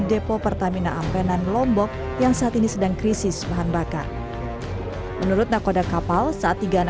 depo pertamina ampenan lombok yang saat ini sedang krisis bahan bakar menurut nakoda kapal saat